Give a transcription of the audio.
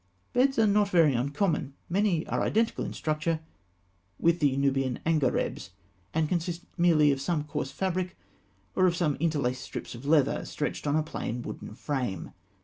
Beds are not very uncommon. Many are identical in structure with the Nubian angarebs, and consist merely of some coarse fabric, or of interlaced strips of leather, stretched on a plain wooden frame.